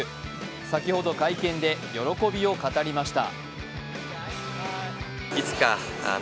先ほど会見で喜びを語りました。